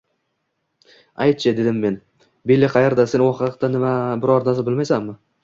Ayt-chi, – dedim men, – Billi qayerda? Sen u haqida biron narsa bilmaysanmi?